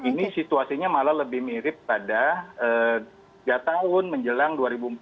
ini situasinya malah lebih mirip pada tiga tahun menjelang dua ribu empat belas